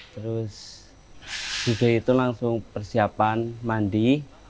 terus juga itu langsung persiapan mandi